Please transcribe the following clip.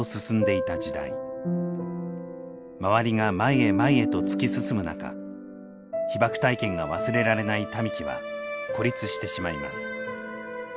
周りが「前へ前へ」と突き進む中被爆体験が忘れられない民喜は孤立してしまいます。